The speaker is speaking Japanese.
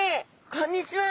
こんにちは！